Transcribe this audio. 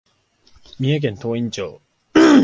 三重県東員町